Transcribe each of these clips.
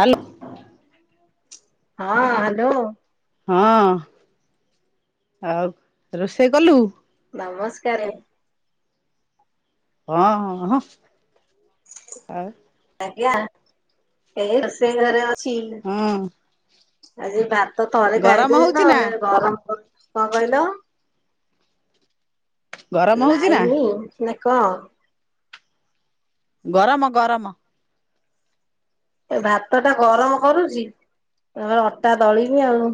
ହାଲ। ହଁ ହାଲୋ। ହଁ ଆଉ ରୋଷେଇ କଲୁ? ନମସ୍କାରେ। ହଁ ହଁ ହଁ ଆଉ। ଆଜ୍ଞା ଏଇ ରୋଷେଇ ଘରେ ଅଛି ହଁ ଆଜି ଭା ତ ଥରେ ଗରମ ଖାଇଥିଲି ହଉଛି ତ ନା ସେ ଗରମ କରୁ କଁ କହିଲ? ଗରମ ହଉଛି ନା ଲାଇନି ନାଁ କଁ? ଗରମ ଗରମ। ଏ ଭାତଟା ଗରମ କରୁଚି ତ ଅଟା ଦଳିିବି ଆଉ।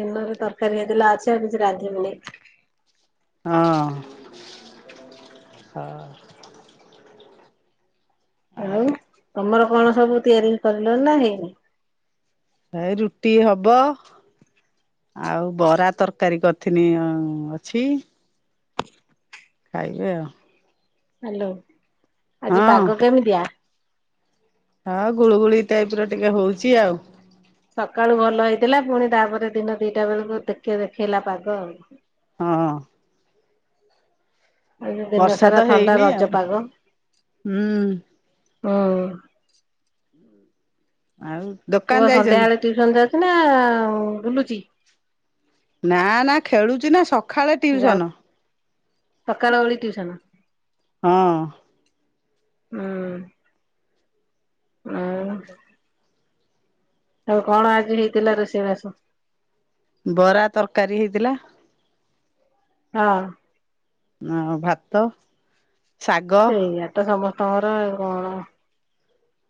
ଦିନରେ ତରକାରୀ ହେଇଥିଲା ଅଛି ଆଉ କିଛି ରାନ୍ଧିବିନି। ହଁ ହ। ଆଉ ତମର କଣ ସବୁ ତିଆରି କରିଲଣି ନାଁ ହେଇନେଇ? ଏ ରୁଟି ହବ। ଆଉ ବରା ତରକାରୀ କରିଥିନି ଅଁ ଅଛି। ଖାଇବେ ଆଉ। ହ୍ୟାଲୋ, ଆଜି ଆଉ ପାଗ କେମିତିଆ? ହ ଗୁଳୁଗୁଳି ଟାଇପ ର ଟିକେ ହଉଚି ଆଉ। ସକାଳୁ ଭଲ ହେଇଥିଲା ପୁଣି ତାପରେ ଦିନ ଦିଟା ବେଳକୁ ଦେଖେ ଦେଖେଇଲା ପାଗ ଆଉ। ହଁ। ଆଜି ଦିନ ବର୍ଷା ତ ସାରା ଥଣ୍ଡା ହେଇନି ଆଉ ରଜ ପାଗ ହୁଁ ହୁଁ। ଆଉ। ଦୋକାନ ପୁଅ ଯାଇଛନ୍ତି ସନ୍ଧ୍ୟାବେଳେ ଟିଉସନ ଯାଉଚି ନା ବୁଲୁଚି? ନା ନା ଖେଳୁଚି ନା ସକାଳେ ଯାଉ ଟିଉସନ। ସକାଳ ଓଳି ଟ୍ୟୁସନ। ହଁ। ଉଁ। ଆ [unintelligible] ଆଉ କଣ ଆଜି ହେଇଥିଲା ରୋଷେଇବାସ? ବରା ତର୍କାରୀ ହେଇଥିଲା। ହଁ। ଆଉ ଭାତ। ଶାଗ ସେଇଆ ତ ସମସ୍ତଙ୍କର କଣ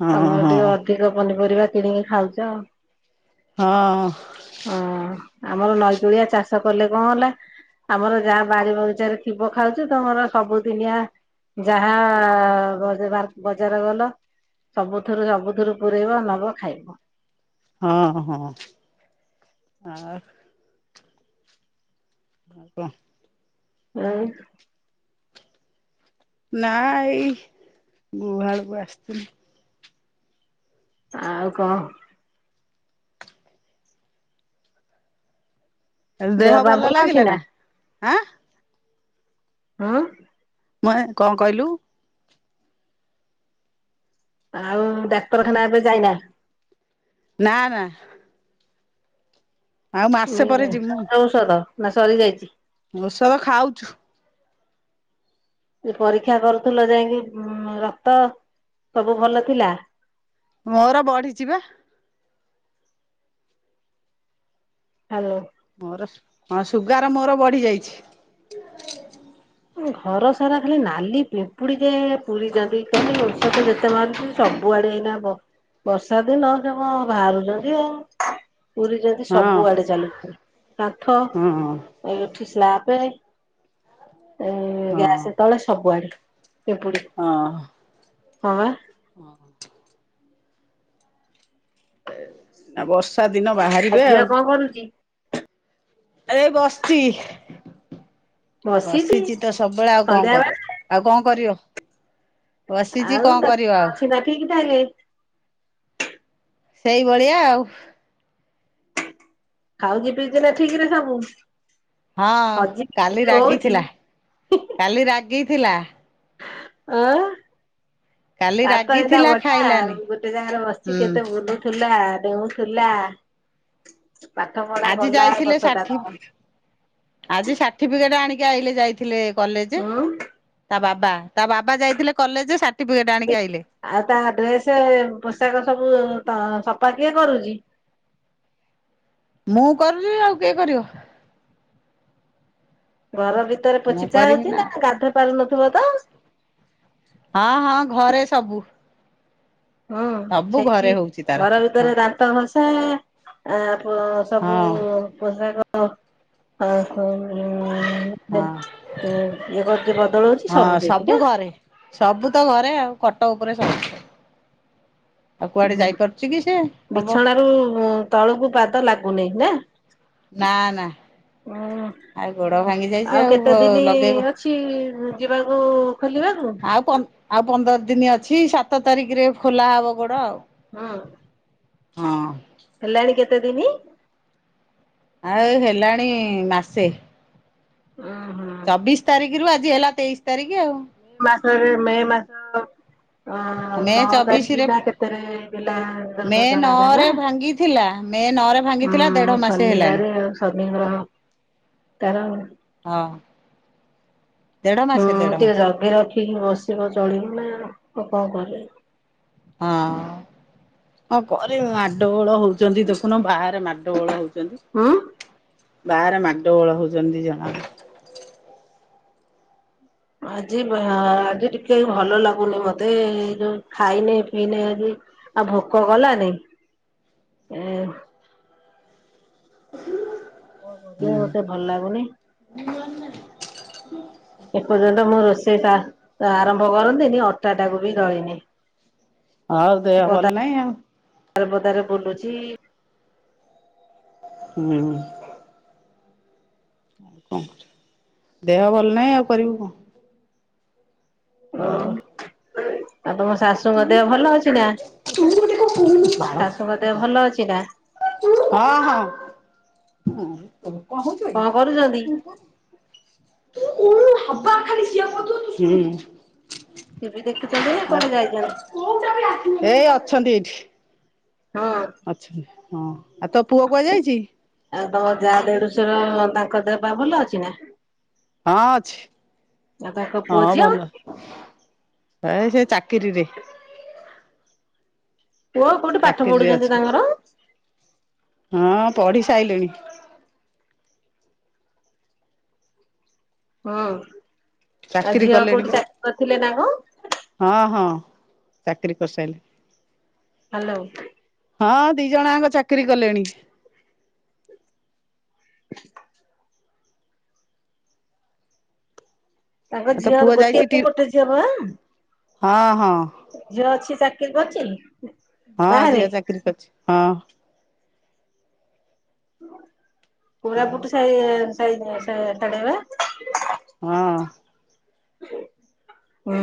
ହଁ ତମର ହଁ ଟିକେ ଅ ଧିକ ପନିପରିବା କିଣିକି ଖାଉଚ। ହଁ। ଅ ଆମର ନଈକୂଳିଆ ଚାଷ କଲେ କଁ ହେଲା ଆମର ଯାହା ବାରି ବଗିଚାରେ ଥିବ ଖାଉଛୁ ତମର ସବୁଦିନିଆ ଯାହା ବା ବଜାର ଗଲ ସବୁଥୁରୁ ସବୁଥୁରୁ ପୁରେଇବ ନବ ଖାଇବ। ହଁ ହଁ ଆ ଆଉ କଁ। ଆଉ। ନା ଏଇ ଗୁହାଳକୁ ଆସିଥିଲି। ଆଉ କଁ। ଦେହ ଭଲ ଲାଗିଲା ନା ଆଁ। ଉଁ। ମହେ କଁ କଇଲୁ? ଆଉ ଡାକ୍ତରଖାନା ଏବେ ଯାଇନା? ନା ନା। ଆଉ ମାସେ ମେ ପରେ ଖାଉଚ ଔଷଧ ନା ସରିଯାଇଚି? ଔଷଦ ଖାଉଚୁ। ଯେ ପରୀକ୍ଷା କରୁଥିଲ ଯାଇଁକି ରକ୍ତ ସବୁ ଭଲ ଥିଲା? ମୋର ବଢିଚି ବା। ହ୍ୟାଲୋ। ମୋର ହଁ ସୁଗାର ମୋର ବଢି ଯାଇଚି। ଘର ସାରା ଖାଲି ନାଲି ପିମ୍ପୁଡିିଯେ ପୁରିଚନ୍ତି ଖାଲି ଔଷଧ ଯେତେ ମାରୁ ସବୁଆଡେ ଏଇନା ବ ବର୍ଷା ଦିନ ସେ କଣ ବାହାରୁଚନ୍ତି ଆଉ। ପୁରି ଚନ୍ତି ହଁ ସବୁ ଆଡେ ଚାଲୁଚନ୍ତି କାନ୍ଥ ହଁ ଏଠି ସ୍ଲାପେ ଏଁ ହଁ ଗ୍ୟାସ ତଳେ ସବୁଆଡେ ପିମ୍ପୁଡି। ହଁ। ହଁ ବା। ହଁ ହଁ। ଆ ବର୍ଷା ଦିନ ବାହାରିବେ ଆଉ। କରୁଚି। ଏ ବସିଛି ବସିଛି ତ ସବୁବେଳେ ଆଉ କଣ ସନ୍ଧ୍ୟା କରିଵ? ଆଉ କଣ କରିବ? ବସିଛି ଆଉ କଣ ତ କରିବ ଆଉ ଅଛି ନା ଠିକ୍ ଠକ ସେଇଭଳିଆ ଆଉ। ଖାଉଛି ପିଉଛି ନା ଠିକ ରେ ସବୁ। ହଁ ହଜି କାଲି ହଉଛି ରାଗିଥିଲା କାଲି ରାଗିଥିଲା। କାଲି ହଁ ତା ଏା ରାଗିଥିଲା ବଢଆ ଆ ଖାଇଲାନି ଗୋଟେ ଜାଗାରେ ବସିଛି ହୁଁ କେତେ ଭୁଲୁ ଥିଲା ଡେଉଁ ଥିଲା ପାଠ ପଢା ଆଜି ଗଲା ଯାଇଥିଲେ ବସଟା ଷାଠି ଆଜି ସାର୍ଟିଫିକେଟ ଆଣିକି ଆଇ ଯାଇଥିଲେ କଲେଜ ଉଁ ତା ବାବା। ତା ବାବା ଯାଇଥିଲେ କଲେଜରେ ସାର୍ଟିଫିକେଟ୍ ଆଣିକି ଆଇଲେ। ଆଉ ତା ଡ୍ରେସେ ପୋଷାକ ସବୁ ସଫା କିଏ କରୁଛି? ମୁଁ କରୁଛି ଆଉ କିଏ କରିବ? ଘର ଭିତରେ ମୁଁ ପୋଛିଚା କରିବି ହଉଚି ନା ଗାଧୋଇ ପାରୁନଥିବ ତ? ହଁ ହଁ ଘରେ ସବୁ। ହଁ ସବୁ ସେଇଠି ଘରେ ହଉଛି ତାର ଘର ଭି ହଁ ଭିତରେ ଦାନ୍ତ ଘସାଆ-ପ ସବୁ ହଁ ପୋଷାକ ଓହୋ ଇଏ ହଁ କରୁଚି ବଦଳଉଚି ହଁ ସବୁ ସେଇଠି କା। ଘରେ ସବୁ ତ ଘରେ ଆଉ ଖଟ ଉପରେ ସବୁ ଆଉ କୁଆଡେ ଯାଇପାରୁଚି କି ସେ? ହବ ଆ [unintelligible] ତଳକୁ ପାଦ ଲାଗୁନେଇ ନାଁ? ନାଁ ନାଁ ଆଉ ଗୋଡ ଭାଙ୍ଗି ଯାଇଚି ଆଉ ବ୍-ଲଗେଇବ। ଚି ଯିବାକୁ ଖୋଲିବାକୁ ଆଉ ପଅ-ଆଉ ପନ୍ଦର ଦିନି ଅଛି ସାତ ତାରିଖରେ ଖୋଲା ହବ ଗୋଡ ଆଉ। ହଁ ହଁ ହେଲାଣି କେତେ ଦିନି? ଆଉ ହେଲାଣି ମାସେ। ଉଂହଁ ଚବିଶ ତାରିଖରୁ ଆଜି ହେଲା ତେଇଶି ତାରିଖ ଆଉ। କି ମାସରେ ମେ ମାସ ଅ ଆଉ ମେ ନଅ ଚବିଶ ତାରିଖ ରେ ନା କେତେରେ ହୋଇଥିଲା ମେ ଦୁର୍ଘଟଣାଟା ନଅରେ ନାଁ? ଭାଙ୍ଗିଥିଲା ମେ ନଅ ରେ ଭାଙ୍ଗିଥିଲା ଦେଢ ମାସେ ହେଲାଣି। ସନିଗ୍ରହ ତାର ହଁ ଦେଢ ହୁଁ ମାସେ ଦେଢ ଟିକେ ମାସେ ଜଗି ରଖିକି ବସିବ ଚଳିବ ନାଁ ଆଉ ଆଉ କଣ କରିବ? ହଁ କଅଁ କରିମୁ ମାଡଗୋଳ ହଉଚନ୍ତି ଦେଖୁନ ବାହାରେ ମାଡଗୋଳ ହଉଚନ୍ତି। [unintelligible] ବାହାରେ ମାଡ ଗୋଳ ହଉଚିନ୍ତି ଦି ଜଣ ଯାକ। ଆଜି ଭା-ଆଜି ଟିକେ ଭଲ ଲାଗୁନି ମତେ ଏ ଯୋଉ ଖାଇନେ ପିଇନି ଆଜି। ଆଉ ଭୋକ କଲାନି। ଇଁ [unintelligible] ହୁଁ ଦେହଟେ ଭଲ ଲାଗୁନି। ଏପର୍ଯ୍ୟନ୍ତ ମୁଁ ରୋଷେଇଟା ଆରମ୍ଭ କରନ୍ତିନି ଅଟା ଟାକୁ ବି ଦଳିନି। ହଉ ଦେହ ଭଲ ନାଇଁ ଆଉ। ତାରପଦାରେ ବୋଲୁଚି ହ୍ନୁ କଣ [unintelligible] ଦେହ ଭଲ ନାହିଁ ଆଉ କରିବୁ କଅଁ? ହଁ [unintelligible] ଆଉ ତମ ଶାଶୁଙ୍କ ଦେହ ଭଲ ଅଛି ନାଁ, ତୁ ଗୋଟେ କଣ କହୁନୁ ବାଳ ଶାଶୁଙ୍କ ଦେହ ଭଲ ଅଛି ନାଁ? ହଁ ହଁ କଣ କରୁଛନ୍ତି [unintelligible] ହବା ଖାଲି [unintelligible] ହୁଁ ଟିଭିି ଦେଖୁଚନ୍ତି ନା କୁଆଡେ ଯାଇଚନ୍ତି? [unintelligible] ଏଇ ଅଛନ୍ତି ଏଇଠି। ହଁଅଁ। ଅଛନ୍ତି ହଁ ଆଉ ତୋ ପୁଅ କୁଆଡେଯାଇଚି? ଆଉ ତମ ଯା ଦେଢୁଶୁର ତାଙ୍କ ଦେହ ପା ଭଲ ଅଛି ନାଁ? ହଁ ଅଛି ଆଉ ତାଙ୍କ ପୁଅ ହଁ ଝିଅ ଭଲ। ଏଁ ସେ ଚାକିରିୀରେ। ପୁଅ କୋଉଠି ପାଠ ଚାକିରିରେ ପଢୁଛନ୍ତି ଅଛି। ତାଙ୍କର। ହଁ ପଢି ସାଇଲିଣି। ହଁ ଆଉ ଚାକିରି ଝିଅ କଲେଣି କୋଉଠି ବା ଚାକିରି କରିଥିଲେ ନାଁ କଅଁ? ହଁ ହଁ ଚାକିରି କରିସାଇଲେଣି। ହାଲୋ ହଁ ଦି ଜଣ ଜାଙ୍କ ଚାକିରି କଲେଣି। ତାଙ୍କ ଆଉ ତୋ ଝିଅ ପୁଅ ର ଗୋଟିଏ ଯାଇଛି ଟି ପୁଅ ଗୋଟେ ଝିଅ ବା। ହଁ ହଁ ଝିଅ ଅଛି ଚାକିରି କରିଛି? ହଁ ବାହାରେ ଝିଅ ଚାକିରୀ କରିଛି। ହଁ ଆଉ ପୁୁରାପୁଟ ସଇ ସା ସା ସାଡେବା ହଁ ହୁଁ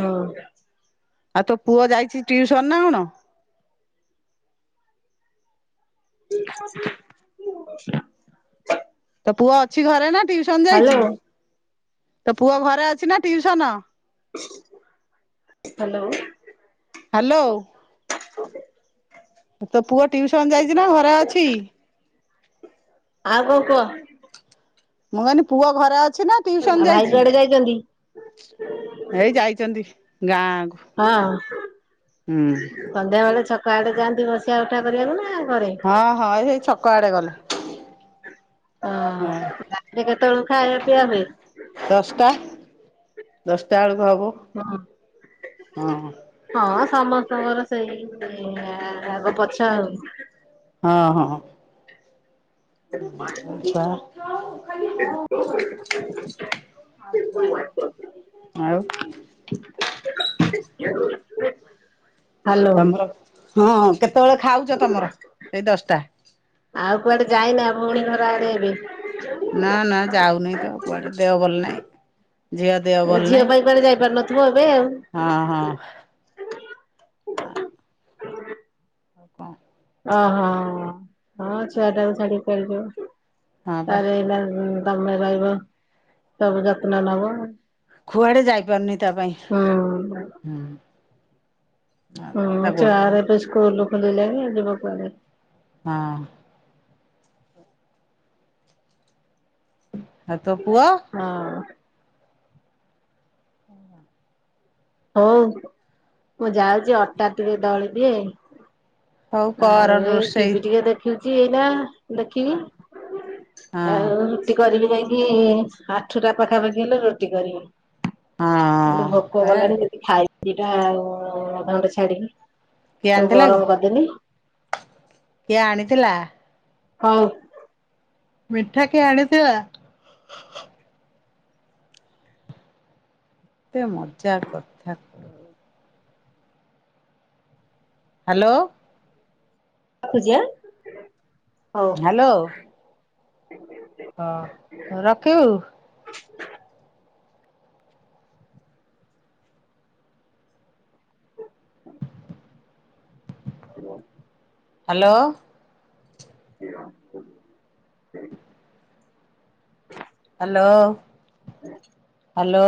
ଆଉ ତୋ ପୁଅ ଯାଇଛି ଟ୍ୟୁସନ ନା କଣ? [inaudible] ତୋ ପୁଅ ଅଛି ଘରେ ନା ଟିଉସନ ହାଲୋ ଯାଇଚି। ତୋ ପୁଅ ଘରେ ଅଛି ନା ଟିଉସନ? ହାଲୋ ହାଲୋ [unintelligible] ତୋ ପୁଅ ଟିଉସନ ଯାଇଛି ନା ଘରେ ଅଛି? ଆଉ କଣ କୁହ? ମୁଁ କହିଲି ପୁଅ ଘରେ ଅଛି ନା ଆଉ ଟିଉସନ ଭାଇ ଯାଇଛି? କୁଆଡେ ଯାଇଛନ୍ତି? ଏଇ ଯାଇଛନ୍ତି ଗାଁକୁ। ହଁ ହୁଁ ସନ୍ଧ୍ୟାବେେଳେ ଛକଆଡେ ଯାଆନ୍ତି ବସାଉଠା କରିବାକୁ ନା ଘରେ? ହଁ ହଁ ସେଇ ଛକ ଆଡେ ଗଲେ। ହଁ ରାତିରେ କେତେବେଳକୁ ଖାଇଆ ପିଆ ହୁଏ? ଦଶଟା। ଦଶଟା ବେଳକୁ ହବ। ହଁ ହଁ ହଁ ସମସ୍ତଙ୍କର ସେଇ ଆଗ ପଛ ଆଉ। ହଁ ହଁ ଯିବା। [unintelligible] ଆଉ [unintelligible] ହାଲୋ ତମର ହଁ କେତେବେଳେ ଖାଉଛ ତମର ସେଇ ଦଶଟା? ଆଉ କୁଆଡେ ଯାଇନା ଭଉଣୀ ଘର ଆଡେ ଏବେ? ନା ନା ଯାଉନି ତ କୁଆଡେ ଦେହ ଭଲ ନହିଁ। ଝିଅ ଦେହ ଏ ଭଲ ଝିଅ ନାଇଁ। ପାଇଁ କୁଆଡେ ଯାଇ ପାରୁନଥିବ ଏବେ ଆଉ। ହଁ ହଁ ଆଉ କହ [inaudible] ଅ ହଁ ହଁ ଛୁଆଟାକୁ ଛାଡି କୁଆଡେ ଯିବ। ହଁ ବା ତାର ଏଇ ନା ତମେ ରହିବ ସବୁ ଯତ୍ନ ନବ। କୁଆଡେ ଯାଇପାରୁନି ତା ପାଇଁ। ହୁଁ ଆଉ ହୁଁ, କଣ ତା ଗୋଡ ପାଇଁ। ଛୁଆର ଏବେ ସ୍କୁଲ ଖୋଲିଲେଣି ଆଉ ଯିବା କୁଆଡେ? ହଁ। ଆଉ ତୋ ପୁଅ? ହଁ। ହୁଁ, ହୁଁ। ହଉ ମୁଁ ଯାଉଛି ଅଟା ଟିକେ ଦଳି ଦିଏ। ହଉ କର ଆଉ ଏଇ ରୋଷେଇ ଟିଭିି ଟିକେ ଦେ ଦେଖୁଛି ଏଇନା ଦେଖିବି ହଁ ଆଉ ରୁଟି କରିବି ଯାଇଁ କି ଆଠୁଟା ପାଖାପାଖି ହେଲେ ରୁଟି କରିବି, ମତେ ହଁ ଭୋକ ଏ କଲାଣି। ଯଦି ଖାଇବି ଦିଟା ଆଉ ଅଧଘଣ୍ଟେ ଛାଡିକି। କିଏ ସବୁ ଆଣିଥିଲା ଗରମ କରିଦେଲି କି, କିଏ ଆଣିଥିଲା? ହଉ। ମିଠା କିଏ ଆଣିଥିଲା? ଏତେ ମଜା କଥା କୁ ହାଲୋ! ରଖୁଛି ଆଁ। ହଉ। ହାଲୋ! ହଁ, ରଖିବୁ? [unintelligible] ହାଲୋ! ହ [unintelligible] ହାଲୋ! ହୁଁ। ହାଲୋ!